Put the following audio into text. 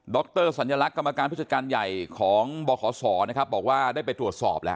รสัญลักษณ์กรรมการผู้จัดการใหญ่ของบขศนะครับบอกว่าได้ไปตรวจสอบแล้ว